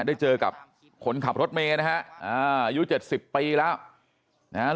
ได้เจอกับคนขับรถเม้นะฮะอ่าอายุเจ็ดสิบปีแล้วนะฮะ